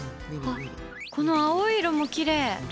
この青い色もきれい。